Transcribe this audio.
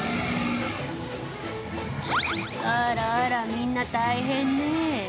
あらあらみんな大変ね。